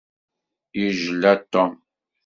Yejla Tom.